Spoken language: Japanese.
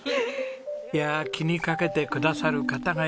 いや気にかけてくださる方がいる。